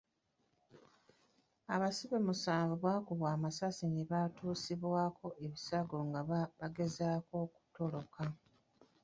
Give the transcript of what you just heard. Abasibe musanvu bakubwa amasasi ne batuusibwako ebisago nga bagezaako okutoloka.